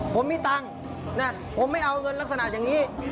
ผมมีตังค์ผมไม่เอาเงินลักษณะอย่างนี้